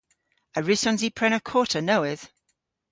A wrussons i prena kota nowydh?